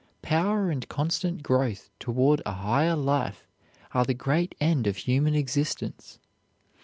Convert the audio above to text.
Power and constant growth toward a higher life are the great end of human existence.